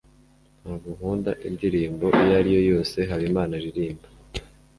Ntabwo nkunda indirimbo iyo ari yo yose Habimana aririmba.